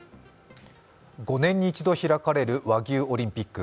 ５年に一度開かれる和牛オリンピック。